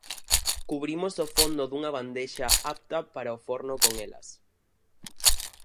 Cubrimos o fondo dunha bandexa apta para o forno con elas.